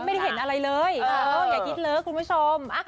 ไม่ได้เห็นอะไรเลยอย่าคิดเลอะคุณผู้ชม